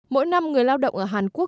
mỗi năm người lao động ở hàn quốc